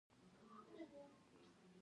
هېواد ته عزم ورکړئ